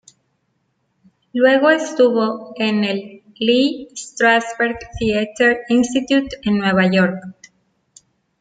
Luego estuvo en el Lee Strasberg Theatre Institut en Nueva York.